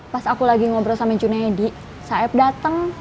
pas aku lagi ngobrol sama junaedi saeb dateng